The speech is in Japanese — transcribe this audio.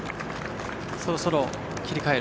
そろそろ切り替える。